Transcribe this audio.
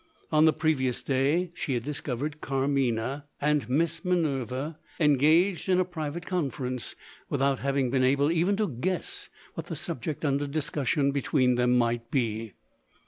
On the previous day she had discovered Carmina and Miss Minerva engaged in a private conference without having been able even to guess what the subject under discussion between them might be.